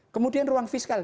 kemudian ruang fiskal